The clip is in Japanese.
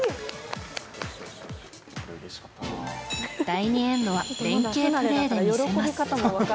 第２エンドは連係プレーで見せます。